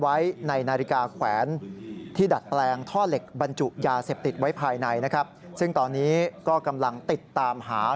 ไว้ภายในซึ่งตอนนี้ก็กำลังติดตามหา